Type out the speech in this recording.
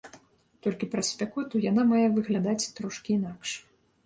Толькі праз спякоту яна мае выглядаць трошкі інакш.